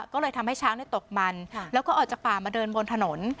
ก็เลยทำให้ช้างตกมันแล้วก็ออกจากป่ามาเดินบนถนน